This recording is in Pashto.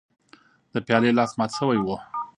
د پیالې لاس مات شوی و.